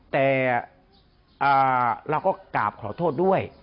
แต่เราก็กราบขอโทษด้วย